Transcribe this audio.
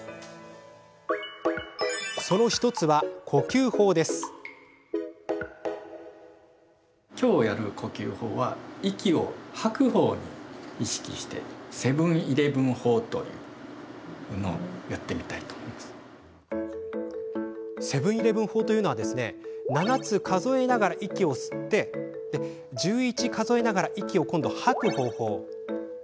その１つはセブンイレブン法とは７つ数えながら息を吸って１１数えながら息を吐く方法。